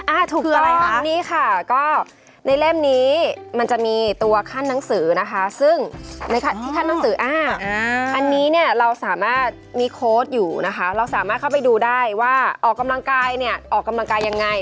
ถูกคืออะไรคะนี่ค่ะก็ในเล่มนี้มันจะมีตัวขั้นหนังสือนะคะซึ่งในที่ขั้นหนังสืออ่าอันนี้เนี่ยเราสามารถมีโค้ดอยู่นะคะเราสามารถเข้าไปดูได้ว่าออกกำลังกายเนี่ยออกกำลังกายยังไง